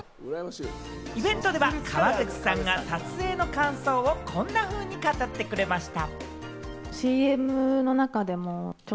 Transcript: イベントでは川口さんが撮影の感想をこんなふうに語ってくれました。